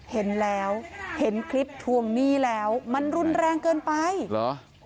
เห็นแล้วเห็นคลิปทวงหนี้แล้วมันรุนแรงเกินไปเหรอ